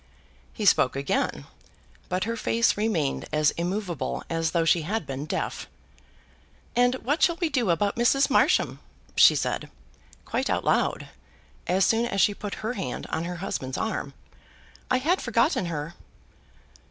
He spoke again, but her face remained as immovable as though she had been deaf. "And what shall we do about Mrs. Marsham?" she said, quite out loud, as soon as she put her hand on her husband's arm. "I had forgotten her."